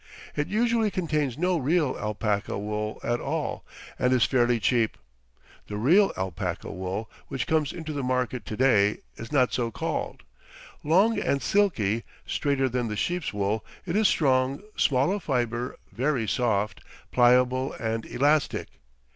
It usually contains no real alpaca wool at all, and is fairly cheap. The real alpaca wool which comes into the market to day is not so called. Long and silky, straighter than the sheep's wool, it is strong, small of fiber, very soft, pliable and elastic.